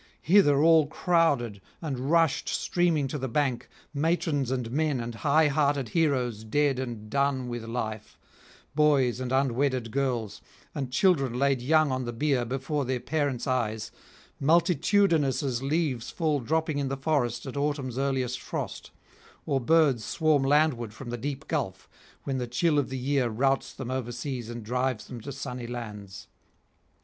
Hither all crowded, and rushed streaming to the bank, matrons and men and high hearted heroes dead and done with life, boys and unwedded girls, and children laid young on the bier before their parents' eyes, multitudinous as leaves fall dropping in the forests at autumn's earliest frost, or birds swarm landward from the deep gulf, when the chill of the year routs them overseas and drives them to sunny lands.